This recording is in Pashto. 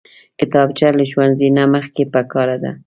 کتابچه له ښوونځي نه مخکې پکار ده